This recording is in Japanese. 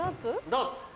ダーツ。